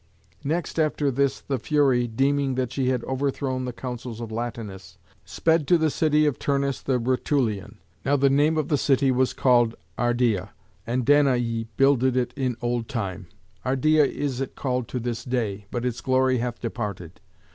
Next after this the Fury, deeming that she had overthrown the counsels of Latinus, sped to the city of Turnus the Rutulian. Now the name of the city was called Ardea, and Danaë builded it in old time; Ardea is it called to this day, but its glory hath departed.